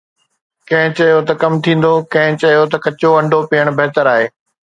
ڪنهن چيو ته ڪم ٿيندو، ڪنهن چيو ته ڪچو انڊو پيئڻ بهتر آهي